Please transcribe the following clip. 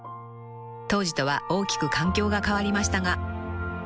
［当時とは大きく環境が変わりましたが］